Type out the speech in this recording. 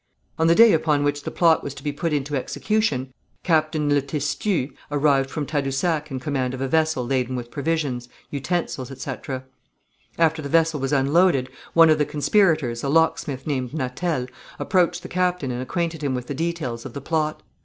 On the day upon which the plot was to be put into execution, Captain Le Testu arrived from Tadousac in command of a vessel laden with provisions, utensils, etc. After the vessel was unloaded, one of the conspirators, a locksmith named Natel, approached the captain and acquainted him with the details of the plot.